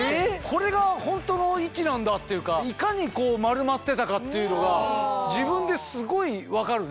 これがホントの位置なんだっていうかいかに丸まってたかっていうのが自分ですごい分かるね。